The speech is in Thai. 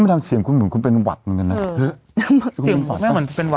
มันทำเสียงคุณเหมือนคุณเป็นหวัดเหมือนกันนะอืมเสียงคุณแม่เหมือนเป็นหวัด